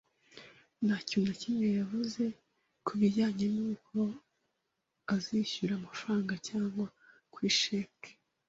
Nta kintu na kimwe yavuze ku bijyanye n’uko azishyura amafaranga cyangwa kuri sheki.